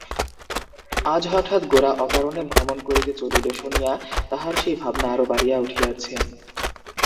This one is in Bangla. আজ হঠাৎ গোরা অকারণে ভ্রমণ করিতে চলিল শুনিয়া তাঁহার সেই ভাবনা আরো বাড়িয়া উঠিয়াছে।